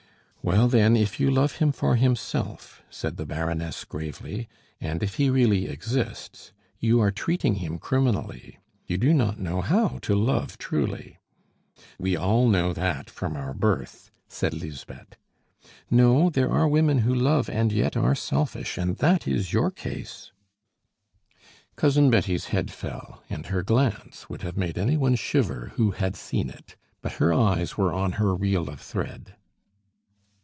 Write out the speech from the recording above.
"Well, then, if you love him for himself," said the Baroness gravely, "and if he really exists, you are treating him criminally. You do not know how to love truly." "We all know that from our birth," said Lisbeth. "No, there are women who love and yet are selfish, and that is your case." Cousin Betty's head fell, and her glance would have made any one shiver who had seen it; but her eyes were on her reel of thread.